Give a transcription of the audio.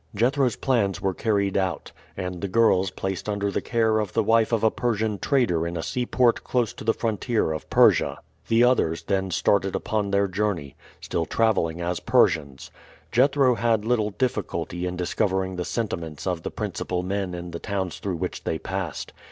Jethro's plans were carried out, and the girls placed under the care of the wife of a Persian trader in a seaport close to the frontier of Persia; the others then started upon their journey, still traveling as Persians. Jethro had little difficulty in discovering the sentiments of the principal men in the towns through which they passed.